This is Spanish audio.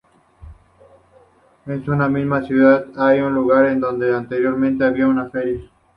En esa misma ciudad hay un lugar en donde anteriormente había una feria.